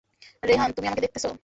রেহান, তুমি আমাকে দেখতেছো?